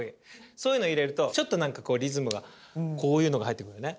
そういうの入れるとちょっとなんかこうリズムがこういうのが入ってくるよね。